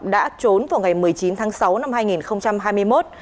đã trốn vào ngày một mươi chín tháng sáu năm hai nghìn hai mươi một